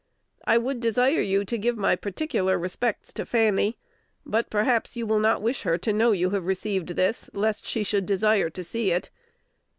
I would desire you to give my particular respects to Fanny; but perhaps you will not wish her to know you have received this, lest she should desire to see it.